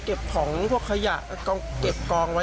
ก็เก็บของพวกขยะเก็บกองไว้